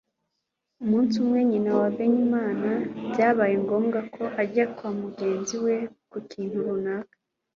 Umunsi umwe, nyina wa Benyamini byabaye ngombwa ko ajya kwa mugenzi we ku kintu runaka.